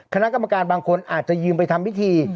คณะกรรมการบางคนอาจจะยืมไปทำพิธี